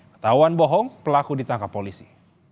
ketahuan bohong pelaku ditangkap polisi